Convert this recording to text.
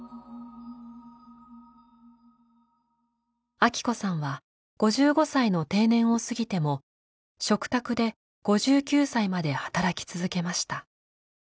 アキ子さんは５５歳の定年を過ぎても嘱託で５９歳まで働き続けました。